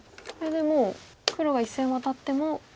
これでもう黒が１線ワタっても。